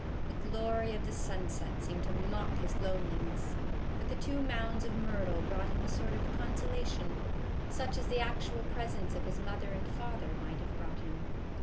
The glory of the sun set seemed to mock his loneliness; but the two mounds of myrtle brought him a sort of consolation, such as the actual presence of his mother and father might have brought him.